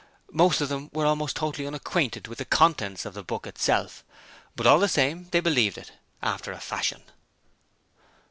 Most of them were almost totally unacquainted with the contents of the book itself. But all the same, they believed it after a fashion.